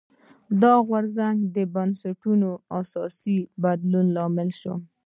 دا غورځنګ د بنسټونو اساسي بدلون لامل شو.